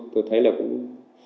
tôi thấy là cũng